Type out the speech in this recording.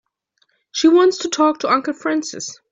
She wants to talk to Uncle Francis.